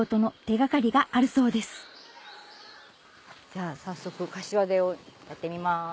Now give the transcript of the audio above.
じゃあ早速かしわ手をやってみます。